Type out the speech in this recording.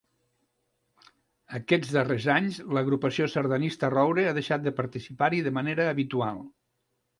Aquests darrers anys, l'Agrupació Sardanista Roure ha deixat de participar-hi de manera habitual.